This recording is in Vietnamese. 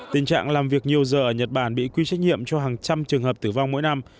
tình trạng làm việc nhiều giờ ở nhật bản bị quy trách nhiệm cho hàng trăm trường hợp tử vong mỗi năm